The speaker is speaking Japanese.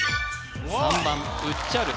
３番うっちゃる